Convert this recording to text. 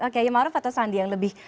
kiai ma'ruf atau sandiaga yang lebih